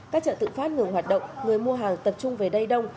các chợ tự phát ngừng hoạt động người mua hàng tập trung về đây đông